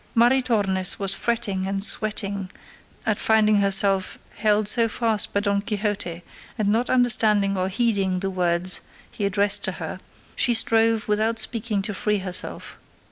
Maritornes was fretting and sweating at finding herself held so fast by Don Quixote, and not understanding or heeding the words he addressed to her, she strove without speaking to free herself.